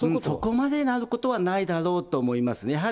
そこまでなることはないだろうと思いますね。